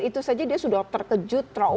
itu saja dia sudah terkejut